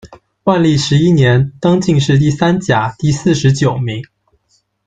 万历十一年，登进士第三甲第四十九名。